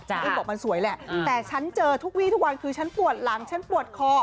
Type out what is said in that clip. อุ้มบอกมันสวยแหละแต่ฉันเจอทุกวีทุกวันคือฉันปวดหลังฉันปวดคอ